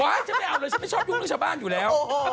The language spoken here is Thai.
ฉันไม่เอาเลยฉันไม่ชอบยุ่งเรื่องชาวบ้านอยู่แล้ว